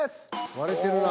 割れてるな。